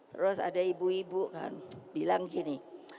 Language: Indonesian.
terus ada ibu ibu kan bilang gini